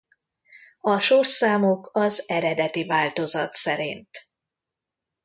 A sorszámok az eredeti változat szerint.